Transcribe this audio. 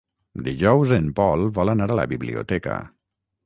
Dijous en Pol vol anar a la biblioteca.